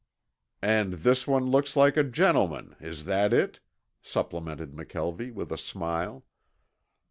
"And this one looks like a gentleman, is that it?" supplemented McKelvie with a smile.